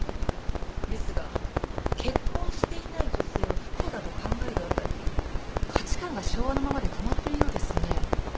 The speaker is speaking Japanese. ですが結婚していない女性を不幸だと考えるあたり価値観が昭和のままで止まってるようですね。